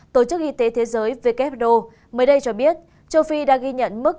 tổ chức y tế thế giới who mới đây cho biết châu phi đã ghi nhận mức